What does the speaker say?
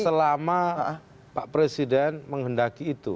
selama pak presiden menghendaki itu